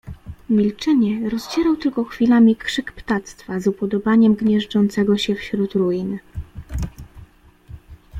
"Milczenie rozdzierał tylko chwilami krzyk ptactwa, z upodobaniem gnieżdżącego się wśród ruin."